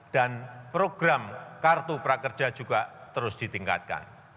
dan program kartu prakerja juga terus ditingkatkan